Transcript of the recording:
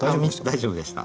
大丈夫でしたはい。